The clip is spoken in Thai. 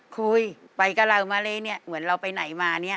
คุยไปกับเรามาเลเนี่ยเหมือนเราไปไหนมาเนี่ย